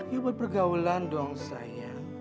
ya buat pergaulan dong sayang